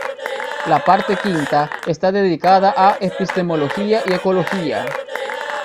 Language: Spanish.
La parte V está dedicada a "Epistemología y Ecología".